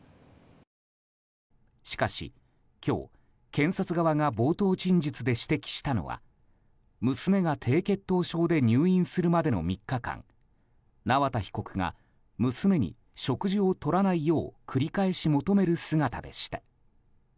しかし今日、検察側が冒頭陳述で指摘したのは娘が低血糖症で入院するまでの３日間縄田被告が娘に食事をとらないよう繰り返し求める姿でした。